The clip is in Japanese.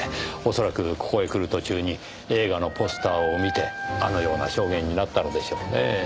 恐らくここへ来る途中に映画のポスターを見てあのような証言になったのでしょうねぇ。